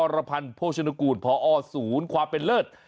รพันธ์โภชนุกูลพอศูนย์ความเป็นเลิศ